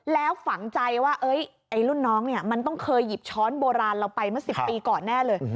แล้วฝังใจว่าไอ้รุ่นน้องเนี่ยมันต้องเคยหยิบช้อนโบราณเราไปเมื่อ๑๐ปีก่อนแน่เลย